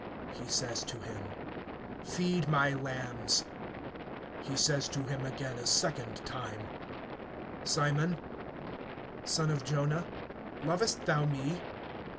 He says to him: Feed my lambs. (16)He says to him again a second time: Simon, son of Jonah, lovest thou me?